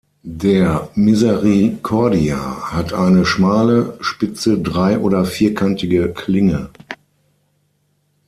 Der "Misericordia" hat eine schmale, spitze drei- oder vierkantige Klinge.